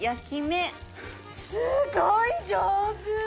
すごい上手！